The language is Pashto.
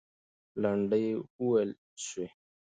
لنډۍ وویل سوې.